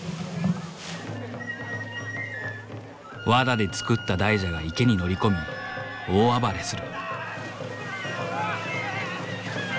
藁で作った大蛇が池に乗り込み大暴れする。